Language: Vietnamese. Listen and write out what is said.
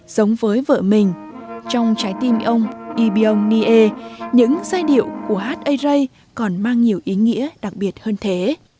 giống với vợ mình trong trái tim ông ebion nie những giai điệu của hát ây rây còn mang nhiều ý nghĩa đặc biệt hơn thế